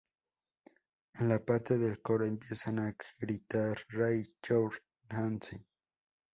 En la parte del coro empiezan a gritar ""Raise your hands!